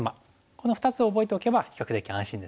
この２つを覚えておけば比較的安心ですね。